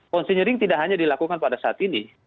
konsenering tidak hanya dilakukan pada saat ini